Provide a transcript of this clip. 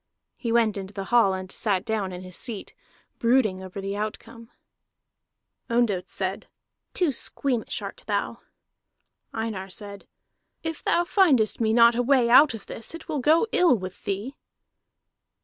He went into the hall and sat down in his seat, brooding over the outcome. Ondott said: "Too squeamish art thou." Einar said: "If thou findest me not a way out of this, it will go ill with thee."